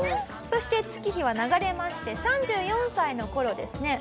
そして月日は流れまして３４歳の頃ですね